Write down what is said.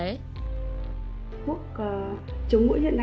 mình không được dùng tùy tiện